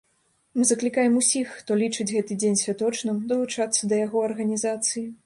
Мы заклікаем усіх, хто лічыць гэты дзень святочным, далучацца да яго арганізацыі.